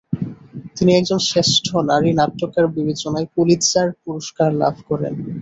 তিনি একজন শ্রেষ্ঠ নারী নাট্যকার বিবেচনায় পুলিৎজার পুরস্কার লাভ করেন।